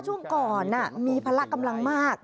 ช่วงก่อนมีพละกำลังมาก